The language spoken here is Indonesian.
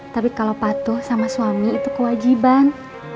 tapi kalau patuh sama suami itu kewajiban